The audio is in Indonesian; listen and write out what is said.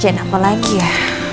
gak jenak apa lagi ya